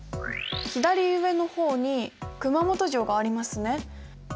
左上の方に熊本城がありますね。